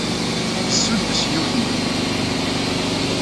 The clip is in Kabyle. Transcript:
Yessuddes yiwet n tedwilt.